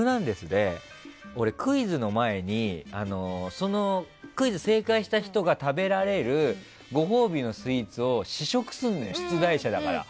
で俺、クイズの前にクイズ正解した人が食べられるご褒美のスイーツを試食するのよ、出題者だから。